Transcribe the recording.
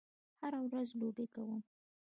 هره ورځ لوبې کوم